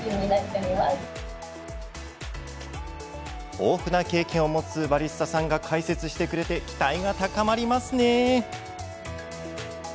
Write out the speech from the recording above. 豊富な経験を持つバリスタさんが解説してくれて期待が高まりますね。